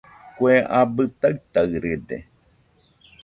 Kue abɨ taɨtaɨrede